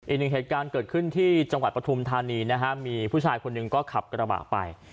อีกหนึ่งเหตุการณ์เกิดขึ้นที่จังหวัดปฐุมธานีนะฮะมีผู้ชายคนหนึ่งก็ขับกระบะไป